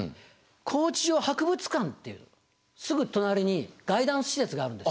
高知城博物館っていうすぐ隣にガイダンス施設があるんです。